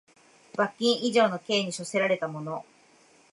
罰金以上の刑に処せられた者